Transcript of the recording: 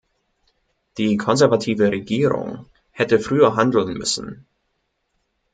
Die konservative Regierung hätte früher handeln müssen.